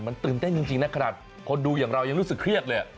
มันตื่นเต้นจริงนะขนาดคนดูอย่างเรายังรู้สึกเครียดเลย